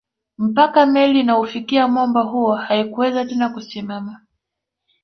Mpaka meli inaufikia mwamba huo haikuweza tena kusimama